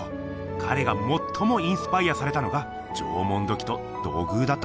彼がもっともインスパイアされたのが縄文土器と土偶だっだそうだ。